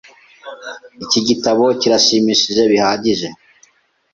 Iki gitabo kirashimishije bihagije.